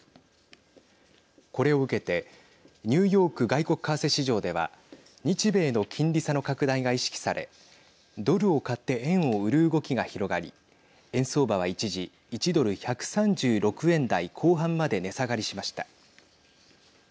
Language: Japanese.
これを受けてニューヨーク外国為替市場では日米の金利差の拡大が意識されドルを買って円を売る動きが広がり円相場は一時１ドル＝１３６円台後半まで値下がりしました。